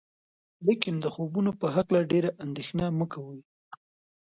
لیکن د خوبونو په هکله هم ډیره اندیښنه مه کوئ.